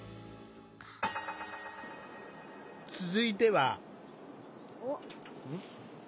続いては。